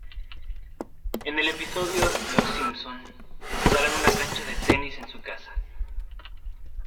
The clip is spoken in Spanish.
En el episodio, los Simpson instalan una cancha de tenis en su casa.